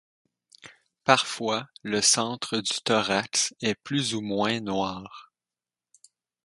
Parfois, le centre du thorax est plus ou moins noir.